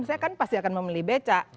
saya kan pasti akan memilih beca